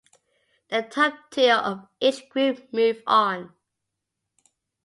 The top two of each group move on.